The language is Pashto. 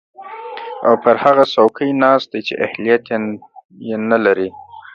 او پر هغه څوکۍ ناست دی چې اهلیت ېې نلري